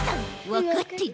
わかってる！